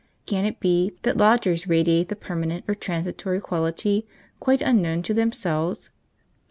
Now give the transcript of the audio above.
Can it be that lodgers radiate the permanent or transitory quality, quite unknown to themselves?